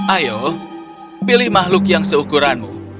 ayo pilih makhluk yang seukuranmu